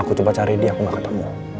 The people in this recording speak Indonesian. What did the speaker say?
aku coba cari dia aku gak ketemu